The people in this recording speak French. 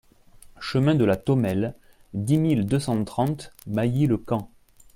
Chemin de la Tomelle, dix mille deux cent trente Mailly-le-Camp